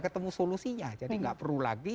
ketemu solusinya jadi nggak perlu lagi